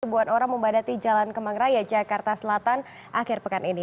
ribuan orang membadati jalan kemang raya jakarta selatan akhir pekan ini